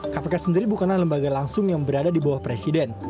kpk sendiri bukanlah lembaga langsung yang berada di bawah presiden